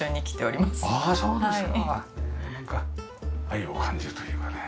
愛を感じるというかね。